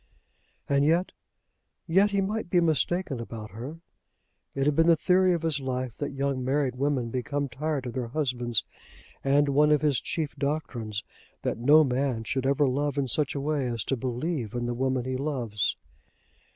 And yet, yet he might be mistaken about her. It had been the theory of his life that young married women become tired of their husbands, and one of his chief doctrines that no man should ever love in such a way as to believe in the woman he loves.